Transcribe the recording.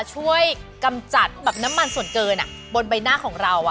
กำจัดแบบน้ำมันส่วนเกินบนใบหน้าของเรา